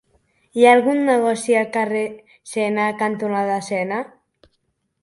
Hi ha algun negoci al carrer Sena cantonada Sena?